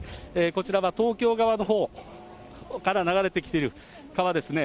こちらは東京側のほうから流れてきている川ですね。